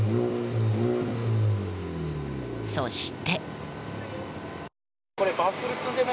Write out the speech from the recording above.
そして。